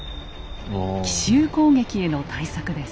奇襲攻撃への対策です。